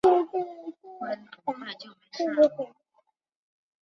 乖，很快就没事了